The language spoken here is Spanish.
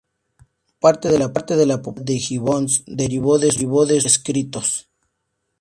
Parte de la popularidad de Gibbons derivó de sus escritos.